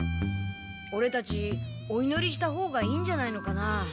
オレたちおいのりしたほうがいいんじゃないのかな。